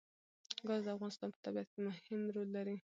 ګاز د افغانستان په طبیعت کې مهم رول لري.